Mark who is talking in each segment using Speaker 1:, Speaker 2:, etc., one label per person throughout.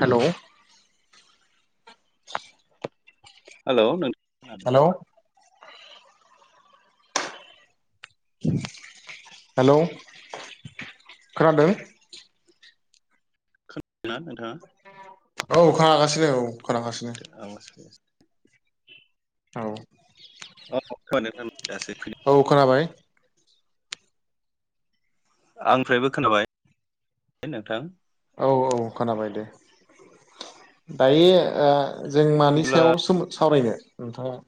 Speaker 1: Hello
Speaker 2: hello नोंथ खोनादों ना?
Speaker 1: हेलौ खोनादों?
Speaker 2: खोनादोंना नोंथाङा?
Speaker 1: औ खोना गासिनो औ खोनागासिनो
Speaker 2: [inaudible]
Speaker 1: औ
Speaker 2: अ
Speaker 1: औ
Speaker 2: [unintelligible]
Speaker 1: खोनाबाय
Speaker 2: आंनि फ्रायबो खोनाबाय नोंथां
Speaker 1: औ औ खोनाबाय दे दायो ओ जों मानि
Speaker 2: बिदिब्ला
Speaker 1: सायाव सोम सावरायनो? नोंथाङा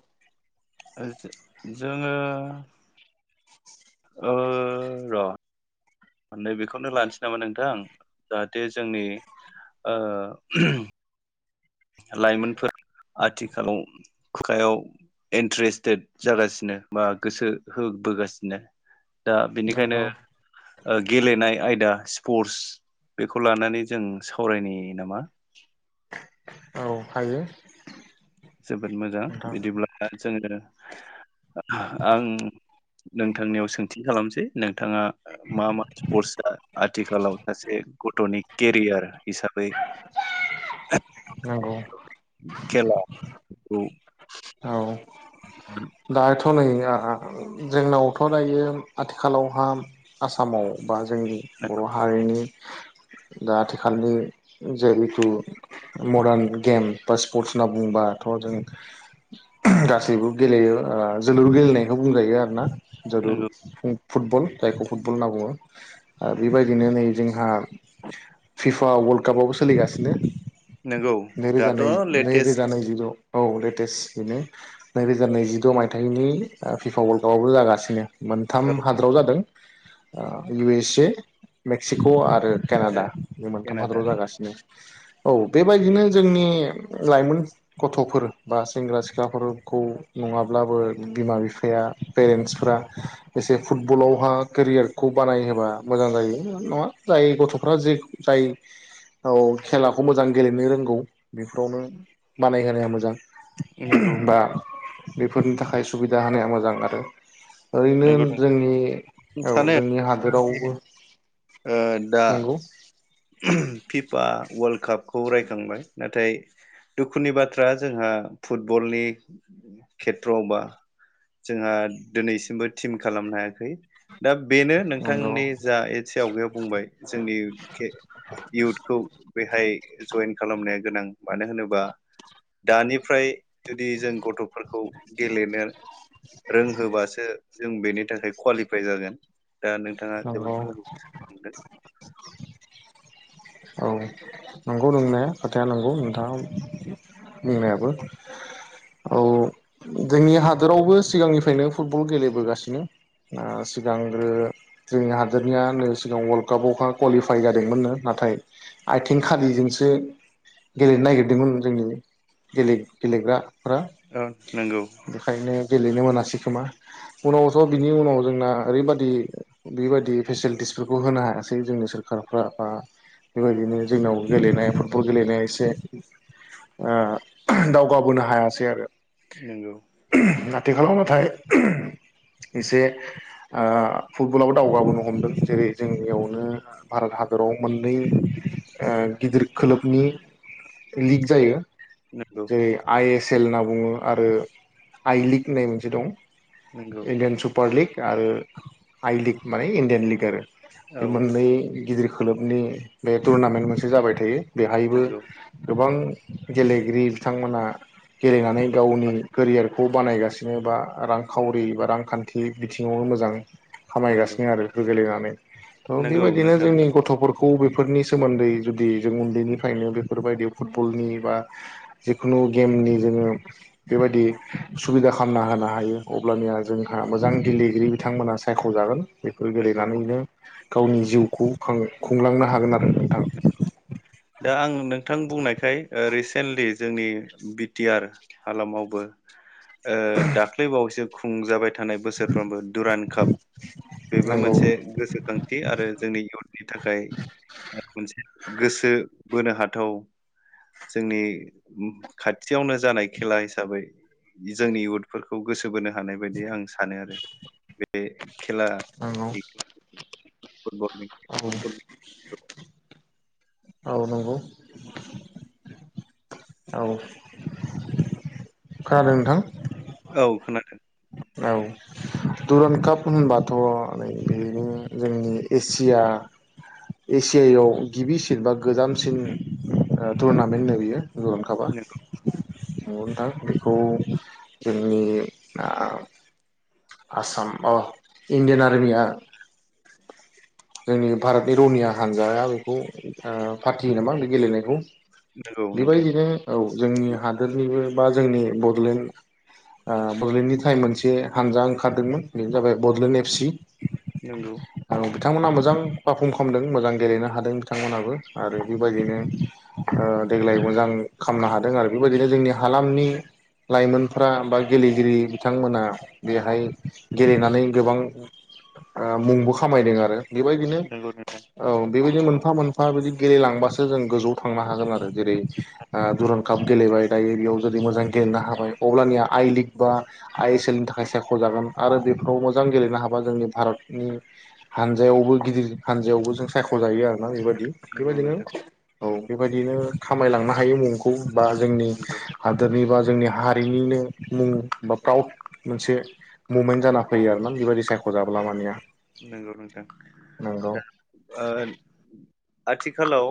Speaker 2: ओ जो-जोङो ओ र' नैबेखौनो लानोसै नामा नोंथां जाहाथे जोंनि ओ लाइमोनफोरा आथिखालाव खुखायाव इन्ट्रेस्टेड जागासिनो बा गोसो होबोगासिनो दा बिनिखायनो
Speaker 1: नंगौ
Speaker 2: ओ गेलेनाय ओ आयद दा स्पर्टस बेखौ लानानै जों सावरायनि नामा?
Speaker 1: औ हायो
Speaker 2: जोबोद मोजां
Speaker 1: नोंथां
Speaker 2: बिदिब्ला जोङो ओ आं नोंथांनियाव सोंथि खालामसै नोंथाङा मा मा स्पर्टसआ आथिखालाव सासे गथ'नि केरियार हिसाबै
Speaker 1: नंगौ
Speaker 2: खेला औ
Speaker 1: औ [unintelligible] थ' नै आ-आ जोंनावथ' दायो आथिखालावहा आसामाव बा जोंनि बर' हारिनि दा आथिखालनि जेहुथु मडार्न गेम बा स्पर्टस होनना बुंबाथ' जों गासैबो गेलेयो आ जोलुर गेलेनायखौ बुंजायो आरो ना जोलुर
Speaker 2: नंगौ
Speaker 1: फुटबल जायखौ फुटबल होनना बुङो बेबायदिनो नै जोंहा फिफा वर्ल्ड काप आबो सोलिगासिनो
Speaker 2: नंगौ
Speaker 1: नैरोजा
Speaker 2: दाथ'
Speaker 1: नै
Speaker 2: लेटेस्ट
Speaker 1: नैरोजा नैजिद' औ लेटेस्ट बेनो नैरोजा नैजिद' मायथाइनि फिफा वालकाप आबो जागासिनो मोनथाम
Speaker 2: औ
Speaker 1: हादोराव जादों। ओ इउ एस ए, मेक्सिक' आरो
Speaker 2: दे,
Speaker 1: केनाडा बे मोनथाम
Speaker 2: केनाडा
Speaker 1: हादराव जागासिनो औ बेबायदिनो जोंनि लाइमोन गथ'फोर बा सेंग्रा सिख्लाफोर खौ नङाब्लाबो बिमा बिफाया पेरेन्सफ्रा एसे फुटबलावहा केरियारखौ बानायहोबा मोजां जायो नङा जाय गथ'फ्रा जे जाय औ खेलाखौ मोजां गेलेनो रोंगौ बेफोरावनो बानायहोनाया मोजां।
Speaker 2: नंगौ
Speaker 1: ओहम बा बेफोरनि थाखाय सुबिदा होनाया मोजां आरो। ओरैनो
Speaker 2: नंगौ नोंथां
Speaker 1: जोंनि
Speaker 2: नों
Speaker 1: औ
Speaker 2: सानो
Speaker 1: जोंनि हादोरावबो
Speaker 2: ओ दा
Speaker 1: नंगौ
Speaker 2: फिफ फा वर्ल्ड कापखौ रायखांबाय नाथाय दुखुनि बाथ्रा जोंहा फुटबलनि खेथ्रआवबा जोंहा दिनैसिमबो थिम खालामनो हायाखै। दा बेनो
Speaker 1: नंगौ
Speaker 2: नोंथांनि जा एसे आवगायाव बुंबाय जोंनि के इउथखौ बेहाय जयेन खालामनाया गोनां मानो होनोबा दानिफ्राय जुदि जों गथ'फोरखौ गेलेनो रोंहोबासो जों बेनि थाखाय क्वालिफाइ जागोन। दा नोंथाङा
Speaker 1: नंगौ
Speaker 2: जोबोद मोजां सानदों।
Speaker 1: औ नंगौ नोंनाया खोथाया नंगौ नोंथाङा बुंनायाबो औ जोंनि हादोरावबो सिगांनिफ्रायनो फुटबल गेलेबोगासिनो ओ सिगांग्रो जोंनि हादोरनिया नै सिगां वार्ल्ड कापआवहाय कुवालिफाइ जादोंमोननो नाथाय आथिं खालिजोंसो गेलेनो नागिरदोंमोन जोंनिनो गेले गेलेग्रा फोरा
Speaker 2: औ नंगौ
Speaker 1: बेखायनो गेलेनो मोनासै खोमा उनावथ' बिनि उनाव जोंना ओरैबाददि बेबायदि फेसिलिटिसफोरखौ होनो हायासै जोंनि सोरखारफ्रा बा बेबायदिनो जोंनाव गेलेनाय फुटबल गेलेनाया एसे ओ दावगाबोनो हायासै आरो।
Speaker 2: नंगौ
Speaker 1: आथिखालाव नाथाय एसे ओ फुटबलावबो दावगाबोनो हमदों जेरै जोंनियावनो भारत हादराव मोननै गिदिर खोलोबनि लिग जायो
Speaker 2: नंगौ
Speaker 1: जेरै आइ एस सेल होनना बुङो आरो आइ लिग होननाय मोनसे दं।
Speaker 2: नंगौ
Speaker 1: इण्डियान सुपार लिग। आरो आइ लिग माने इण्डियान लिग आरो। बे
Speaker 2: औ
Speaker 1: मोननै गिदिर खोलोबनि बे टुरनामेन्ट मोनसे जाबाय थायो। बेहायबो
Speaker 2: नंगौ
Speaker 1: गोबां। गेलेगिरि बिथांमोना। गेलेनानै गावनि केरियारखौ बानायगासिनो। बिङ बा रांखावरि बा रांखान्थि बिथिंङावनो मोजां।
Speaker 2: नंगौ
Speaker 1: खामायगासिनो आरो बेफोर गेलेनानै। थ
Speaker 2: नंगौ
Speaker 1: बेबायदिनो
Speaker 2: नोंथां
Speaker 1: जोंनि गथफोरखौ [unintelligible] बेफोरनि सोमोन्दै जुदि जों उन्दैनिफ्रायनो बेफोरबायदि फुटबलनि बा जिखुनु गेमनि जोंङो बेबायदि सुबिदा खालामना होनो हायो अब्लानिया जोंहा मोजां गेलेगिरि बिथांमोना सायख जागोन। बेफोर
Speaker 2: नंगौ
Speaker 1: गेलेनानैनो गावनि जिउखौ खां खुंलांनो ह हागोन आरो नोंथां।
Speaker 2: दा आं नोंथां बुंनायखाय रिसेन्टलि जोंनि बि टि आर हालामावबो ओ दाख्लैबावैसो खुंजाबाय थानाय बोसोरफ्रोमबो दुरान काप बेबो
Speaker 1: नांगौ
Speaker 2: मोनसे गोसोखांथि आरो जोंनि इउथनि थाखाय मोनसे बो बोनो हाथाव जोंनि खाथि खाथियावनो जानाय खेला हिसाबै जोंनि इउथफोरखौ गो सोबोनो हानाय बायदि आं सानो आरो बे खेला फुटबलनि
Speaker 1: औ औ नंगौ औ खोनादों नोंथां
Speaker 2: औ खोनादों
Speaker 1: औ दुरान काप होनबाथ नै बेनो जोंनि एसिया एसियायाव गिबिसिन बा गोजामसिन ओ टुरनामेन्ट नो बेयो [unintelligible] नंगौ नोंथां बेखौ जोंनि आसाम अ इण्डियान आरमिया जोंनि भारतनि रौनिया हान्जाया बेखौ फाथियो नामा बे गेलेनायखौ
Speaker 2: नंगौ नोंथां
Speaker 1: बेबायदिनो औ जोंनि हादोरनिबो बा जोंनि बडलेण्ड ओ बडलेण्डनि थाखाय मोनसे हानजा ओंखारदोंमोन बेनो जाबाय बडलेण्ड एफ सि
Speaker 2: नंगौ
Speaker 1: बिथांमोना मोजां पारफर्म खामदों मोजां गेलेनो हादों बिथांमोनाबो आरो बेबायदिनो ओ देग्लाय मोजां खामनो हादों आरो बेबायदिनो जोंनि हालामनि लाइमोनफ्रा बा गेलेगिरि बिथांमोना बेहाय गेलेनानै गोबां ओ मुंबो खामायदों आरो बेबायदिनो
Speaker 2: नंगौ
Speaker 1: औ बेबायदि मोनफा मोनफा बिदि गेलेलांबासो जों गोजौआव थांनो हागोन आरो जेरै ओ
Speaker 2: नोंथां
Speaker 1: दुरन काप गेलेबाय दायो बेयाव जुदि मोजां गेलेनो हाबाय अब्लानिया आइ लिग बा आइ एस एल नि थाखाय सायख'जागोन आरो बेफोराव मोजां गेलेनो हाबा जोंनि भारतनि हानजायावबो गिदिर हानजायावबो जों सायख'जायो आरोना बेबायदि
Speaker 2: नंगौ
Speaker 1: बेबायदिनो
Speaker 2: नोंथां
Speaker 1: औ। बेबायदिनो खामायलांनो हायो मुंखौ बा जोंनि
Speaker 2: नंगौ
Speaker 1: हादोरनि बा जोंनि हारिनिनो मुं बा प्राउड मोनसे मुमेन्ट जाना फैयो आरोना बेबायदि सायख'जाब्ला मानिया
Speaker 2: नंगौ नोंथां
Speaker 1: नंगौ
Speaker 2: दा ओ आथिखालाव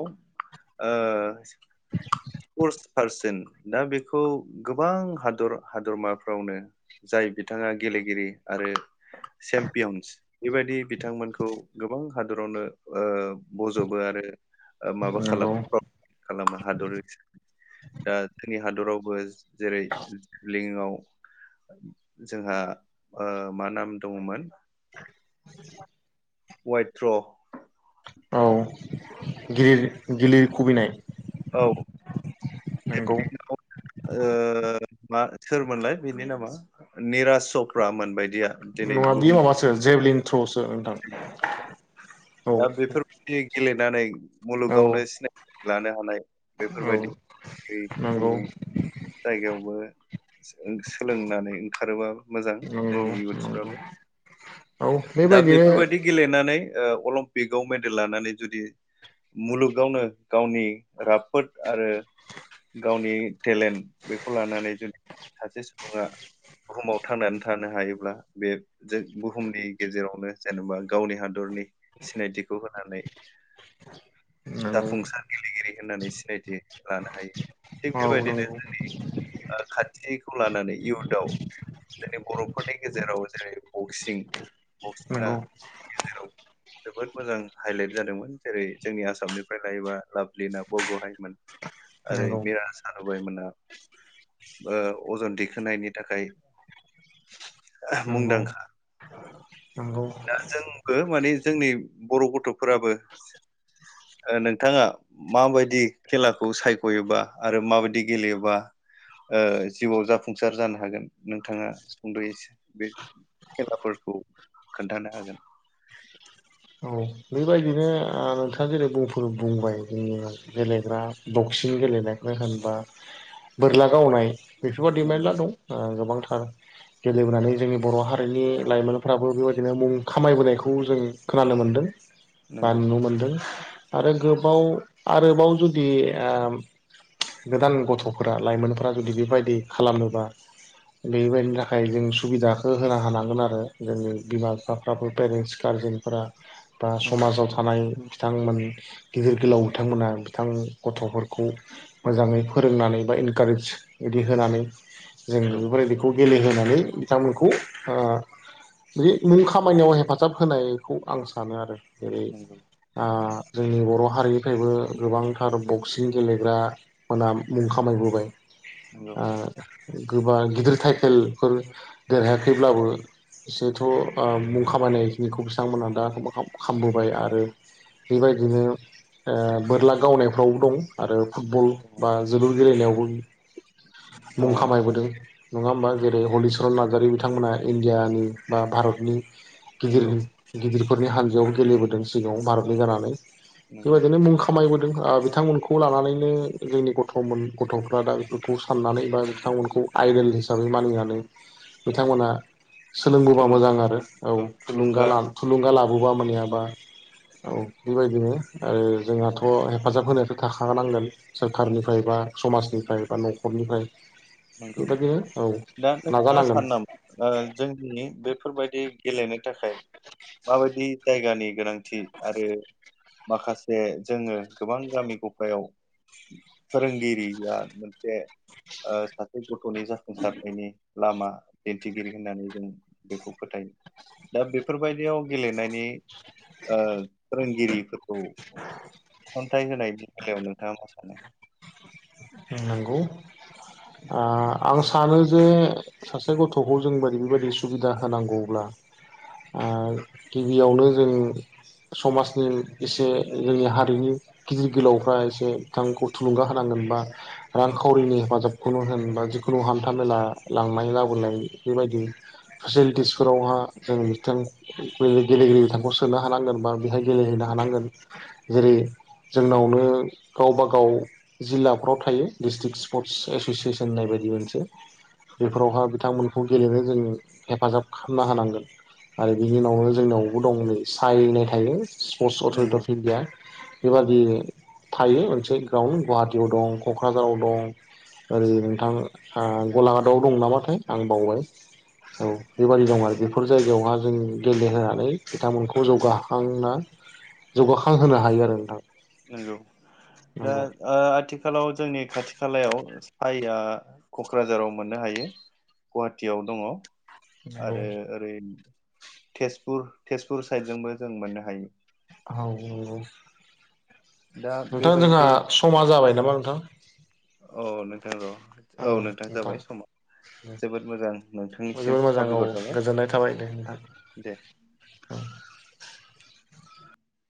Speaker 2: ओ स्पर्टस पारसन दा बेखौ गोबां हादर हादरमाफ्रावनो जाय बिथाङा गेलेगिरि आरो चेम्पियन्स बेबायदि बिथांमोनखौ गोबां हादरावनो ओ बज'बो आरो माबा
Speaker 1: नंगौ
Speaker 2: खालामो खालामो हादर दा जोंनि हादरावबो जेरैलिङआव जोंहा ओ मा नाम दङमोन
Speaker 1: [inaudible]
Speaker 2: वाइथ्र'
Speaker 1: औ गिर गिलिर खुबैनाय
Speaker 2: औ।
Speaker 1: नंगौ
Speaker 2: [unintelligible] ओ मा सोरमोनलाय बिनि नामा निरासफ्रा मोनबाय
Speaker 1: नङा बि माबासो जेभलि थ्र सो नोंथां औ
Speaker 2: दा बेफोरबायदि गेलेनानै
Speaker 1: औ
Speaker 2: मुलुगावनो सिनाय लानो हानाय
Speaker 1: औ
Speaker 2: बेफोरबायदि
Speaker 1: नंगौ
Speaker 2: जोंनि जायगायावबो सोलोंनानै ओंखारोबा मोजां
Speaker 1: नंगौ
Speaker 2: जोंनि
Speaker 1: नंगौ
Speaker 2: इयउथ्सफ्राबो
Speaker 1: औ
Speaker 2: दा
Speaker 1: बेबायदिनो
Speaker 2: बेफोरबायदि गेलेनानै ओ अलं पिकाव मेडेल लानानै जुदि मुलुगावनो गावनि राफोद आरो गावनि टेलेन्ट बेखौ लानानै जुदि सासे सुबुङा बुहुमाव थांनानै थानो हायोब्ला बे जों बुहुमनि गेजेरावनो जेनेबा गावनि हादरनि सिनायथिखौ होनानै
Speaker 1: नंगौ
Speaker 2: जाफुंसार गेलेगिरि होननानै सिनायथि लानो हायो थिग
Speaker 1: औ
Speaker 2: बेबायदिनो
Speaker 1: नंगौ
Speaker 2: जोंनि ओ खान्थिखौ लानानै इउथाव जोंनि बर'फोरनि गेजेराव जेरै बक्सिं बक्सिंआ
Speaker 1: नंगौ
Speaker 2: गेजेराव जोबोद मोजां हाइलाइट जादोंमोन जेरै जोंनि आसामनिफ्राय लायोबा लाब लिना बरग'हायमोन ओरै
Speaker 1: नंगौ
Speaker 2: मिया सारुबायमोना। ओ अजन दैखोनायनायनि थाखाय
Speaker 1: नंगौ
Speaker 2: मुंदांखा।
Speaker 1: नंगौ
Speaker 2: दा जोंबो माने जोंनि बर' गथ'फोराबो ओ नोंथाङा माबायदि खेलाखौ सायख'योबा आरो माबायदि गेलेयोबा ओ जिउआव जाफुंसार जानो हागोन? नोंथाङा सुंद' एसो बे खेलाफोरखौ खोनथानो हागोन।
Speaker 1: औ बेबायदिनो ओ नोंथाङा जेरै बुंफोर बुंबाय जोंनि गेलेग्रा बक्सिं गेलेनायखौ होनबा बोरला गावनाय बेफोरबायदि
Speaker 2: नंगौ
Speaker 1: मेरला दं ओ गोबांथार। गेलेबोनानै जोंनि बर' हारिनि लाइमोनफ्राबो बेबायदिनो मुं खामायबोनायखौ जों खोनानो मोन्दों। बा
Speaker 2: नंगौ
Speaker 1: नुनो मोनदों। आरो गोबाव आरोबाव जुदि ओम गोदान गथ'फोरा लाइमोनफोरा जुदि बेबायदि खालामोबा बेबायदिनि थाखाय जों सुबिदाखो होनो हानांगोन आरो जोंनि बिमा बिफाफ्राबो पेरेन्टस गारजेनफोरा बा
Speaker 2: उम
Speaker 1: समाजाव थानाय बिथांमोन गिदिर गोलाव बिथांमोना, बिथां गथ'फोरखौ मोजाङै फोरोंनानै बा इनकारेज बिदि होनानै जों
Speaker 2: नंगौ
Speaker 1: बेफोर बादिखौ गेलेहोनानै बिथांमोनखौ ओ [unintelligible] मुं खामानियाव हेफाजाब होनायखौ आं सानो आरो जेरै
Speaker 2: नंगौ
Speaker 1: ओ जोंनि बर' हारि निफ्रायबो गोबांथार बक्सिं गेलेग्रा मोना मुं खामायबोबाय।
Speaker 2: नंगौ
Speaker 1: ओ [inaudible] गोबां गिदिर टाइटेलफोर देरहायाखैब्लाबो, एसेथ' ओ मुं खामायनायखिनिखौ बिथांमोनहा दा [inaudible] खामबोबाय आरो बेबायदिनो ओ बोरला गावनायफ्रावबो दं। आरो फुटबल बा जोलुर गेलेनायावबो [inaudible]
Speaker 2: दङ
Speaker 1: मुं
Speaker 2: नोंथां
Speaker 1: खामायबोदों। नङा होमबा जेरै हलिरन नार नार्जारि बिथांमोना इण्डियानि बा भारतनि गिदिर
Speaker 2: नंगौ
Speaker 1: गिदिर फोरनि हानजायाव गेलेबोदों सिगाङाव भारतनि जानानै
Speaker 2: नंगौ
Speaker 1: बेबायदिनो मुं खामायबो ओ बिथांमोनखौ लानानैनो जोंनि गथ'मोन गथ'फ्रा दा बेफोरखौ साननानै बा बिथांमोनखौ आइडेल हिसाबै मानिनानै बिथांमोना सोलोंबोबा
Speaker 2: थुलुंगा
Speaker 1: मोजां आरो औ
Speaker 2: नंगौ
Speaker 1: थुलुंगा ला थुलुंगा ला बबा मोनहैयाबा औ बेबायदिनो आरो जोंहाथ' हेफाजाब होनायाथ' थाखानांगोन।
Speaker 2: नंगौ
Speaker 1: सोरखारनिफ्राय बा समाजनि फ्राय बा न'खरनिफ्राय
Speaker 2: नंगौ
Speaker 1: बेबायदिनो औ
Speaker 2: दा नोंथाङा
Speaker 1: नाजानांगोन।
Speaker 2: सानो नामा ओ जोंनि बेफोरबायदि गेलेनो थाखाय माबायदि जायगानि गोनां थि आरो माखासे जोङो गोबां गामि गफायाव फोरोंगिरिया मोनसे ओ [unintelligible] गथ'नि जाफुंसारनायनि लामा दिन्थिगिरि होननानै जों बेखौ फोथायो दा बेफोरबायदियाव गेलेनायनि ओ फोरोंगिरि फोरखौ थिसनथाय होनायनि बेलायाव नोंथाङा मा सानो?
Speaker 1: ओं नंगौ आ आं सानो जे सासे गथ'खौ जों बादि बेबायदि सुबिदा होनांगौब्ला आ गिबियावनो जों समाजनि इसे जोंनि हारिनि गिदिर गोलावफ्रा एसे बिथांखौ थुलुंगा होनांगोन बा रांखावरिनि हेफाजाबखौनो होन बा जिखुनु हान्था मेला लांनाय लाबोनाय बेबायदि फेसिलिटिसफोरावहा जों बिथां ओ गेलेगिरि बिथांखौ सोनो हानांगोन बा बेहाय गेलेहैनो हानांगोन जेरै जोंनावनो गावबाागाव जिल्ला। फ्राव थायो डिस्ट्रिक स्पर्टस एस'सियेसन होननाय बायदि मोनसे बेफोरावहा बिथांमोनखौ गेलेनो जों हेफाजाब खालामना होनांगोन आरो बिनि उनावनो जोंनिनयावबो दं नै सायरिनाय थायो। सिफरटस अथरटि
Speaker 2: नोंगौ
Speaker 1: अफ इणडिया। बेबादि थायो मोनसे ग्राउन्ड गुवाहाटियाव दं। क'क्राझाराव दं ओरै नोंथां आ गलाघाटआव दं नामाथाय आं बावबाय औ बेबादि दं आरो बेफोर जायगायावहा जों गेलेहोनानै बिथांमोनखौ जौगाखांना जौगाखांहोनो हायो आरो नोंथां।
Speaker 2: नोंगौ दा
Speaker 1: नंगौ
Speaker 2: ओ आथि खालाव जोंनि खाथि खालायाव साइआ क'क्राझाराव मोननो हायो गुवाहाटीयाव दङ। आरो ओरै। तेजपुर तेजपुर साइदजोंबो जों मोननो हायो।
Speaker 1: औ औ
Speaker 2: दा
Speaker 1: नोंथां जोंहा
Speaker 2: बेबायदि
Speaker 1: समा जाबाय नामा? नोंथां।
Speaker 2: औ नोंथां‌‌ र।
Speaker 1: औ नोंथां
Speaker 2: जोबोद मोजां
Speaker 1: औ
Speaker 2: नोंथांनिसिम
Speaker 1: जोबोर मोजां औ
Speaker 2: साबायखर थाबाय
Speaker 1: गोजोननाय थाबाय दे
Speaker 2: दे
Speaker 1: नोंथां औ